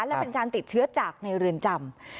และเป็นการติดเชื้อจากในเรือนจำ